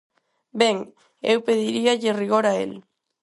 Ben, eu pediríalle rigor a el.